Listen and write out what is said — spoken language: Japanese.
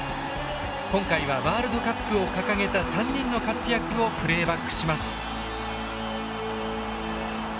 今回はワールドカップを掲げた３人の活躍をプレーバックします。